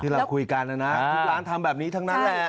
เราคุยกันนะนะทุกร้านทำแบบนี้ทั้งนั้นแหละ